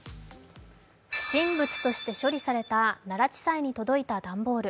不審物として処理された奈良地裁に届いた段ボール。